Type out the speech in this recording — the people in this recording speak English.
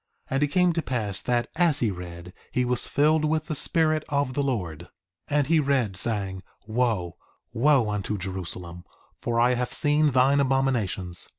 1:12 And it came to pass that as he read, he was filled with the Spirit of the Lord. 1:13 And he read, saying: Wo, wo, unto Jerusalem, for I have seen thine abominations!